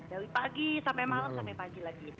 dari pagi sampai malam sampai pagi lagi